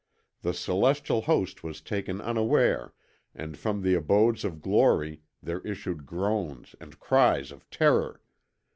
The celestial host was taken unaware and from the abodes of glory there issued groans and cries of terror.